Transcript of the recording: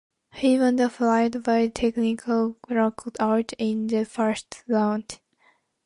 He won the fight by technical knockout in the first round.